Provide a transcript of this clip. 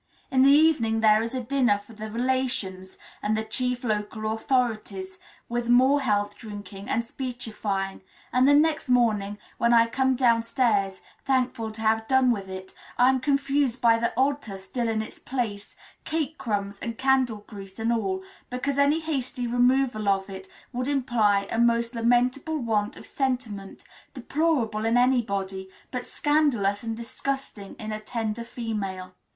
In the evening there is a dinner for the relations and the chief local authorities, with more health drinking and speechifying, and the next morning, when I come downstairs thankful to have done with it, I am confronted by the altar still in its place, cake crumbs and candle grease and all, because any hasty removal of it would imply a most lamentable want of sentiment, deplorable in anybody, but scandalous and disgusting in a tender female.